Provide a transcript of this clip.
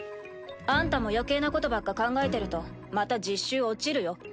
あんたも余計なことばっか考えてるとまた実習落ちるよ。